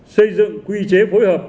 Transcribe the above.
xây dựng quy chế phối hợp